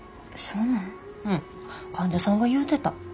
うん患者さんが言うてた。